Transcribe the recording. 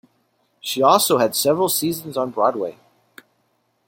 She also had several seasons on Broadway.